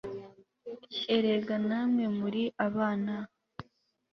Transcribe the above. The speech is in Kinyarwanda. Erega na mwe muri abana